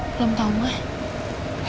belum tahu mah